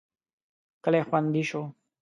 کلی خوندي شو.